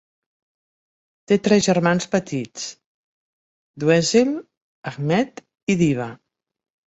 Té tres germans petits: Dweezil, Ahmet i Diva.